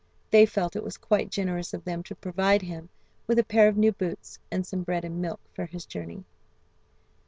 They felt it was quite generous of them to provide him with a pair of new boots and some bread and milk for his journey.